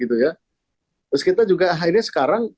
terus kita juga akhirnya sekarang